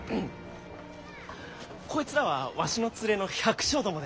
こいつらはわしの連れの百姓どもで。